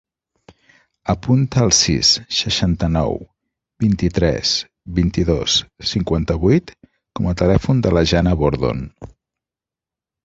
Apunta el sis, seixanta-nou, vint-i-tres, vint-i-dos, cinquanta-vuit com a telèfon de la Jana Bordon.